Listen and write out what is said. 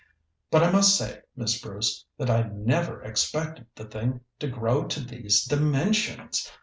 But I must say, Miss Bruce, that I never expected the thing to grow to these dimensions.